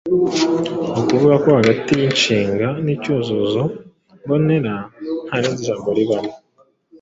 Ni ukuvuga ko hagati y’inshinga n’icyuzuzo mbonera nta rindi jambo rizamo.